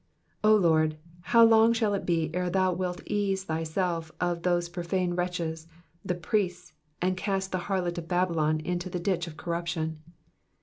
O Lord, how long shall it be ere thou wilt ease thyself of those profane wretches, the priests, and cast the harlot of Babylon into' the ditch of corruption?